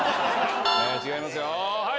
違いますよはい！